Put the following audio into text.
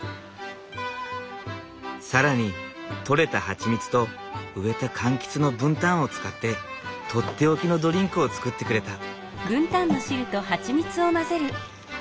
更に取れたハチミツと植えた柑橘のブンタンを使ってとっておきのドリンクを作ってくれた。